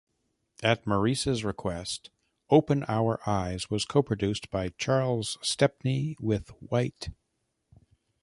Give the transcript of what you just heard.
At Maurice's request, "Open Our Eyes" was co-produced by Charles Stepney with White.